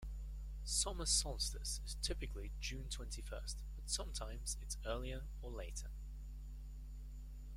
Summer solstice is typically June twenty-first, but sometimes it's earlier or later.